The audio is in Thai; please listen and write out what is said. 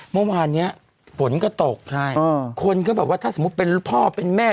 เมื่อวานเนี้ยฝนก็ตกใช่คนก็แบบว่าถ้าสมมุติเป็นพ่อเป็นแม่